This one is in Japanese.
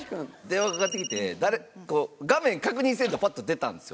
電話かかって来て画面確認せんとパッと出たんですよ。